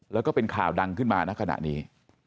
แล้วก็เป็นข่าวดังขึ้นมาณขณะนี้